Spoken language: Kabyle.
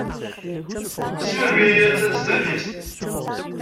Seg melmi ay attan s tadist?